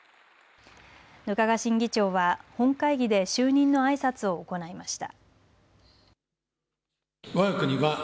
額賀新議長は本会議で就任のあいさつを行いました。